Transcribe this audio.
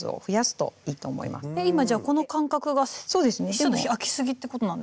今じゃこの間隔がちょっと空きすぎってことなんですか？